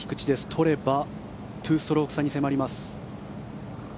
取れば２ストローク差に迫ります。